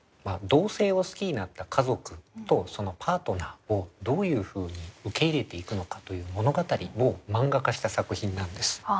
同性を好きになった家族とそのパートナーをどういうふうに受け入れていくのかという物語をマンガ化した作品なんです。